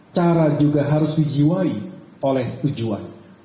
cara juga harus dijiwai oleh tujuan